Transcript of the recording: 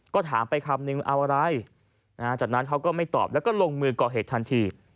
ก็ถามไปคำนึงเอาอะไรจากนั้นเขาก็ไม่ตอบแล้วก็ลงมือก่อเหตุทันที